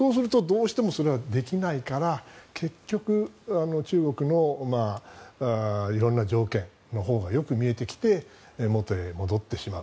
それはできないから結局、中国の色んな条件のほうがよく見えてきて元へ戻ってしまう。